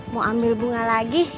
mau ambil bunga lagi